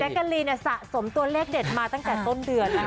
แจ๊กลีสะสมตัวเลขเด็ดมาตั้งแต่ประเภทต้นเดือน